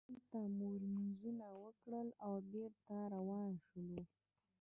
هلته مو لمونځونه وکړل او بېرته روان شولو.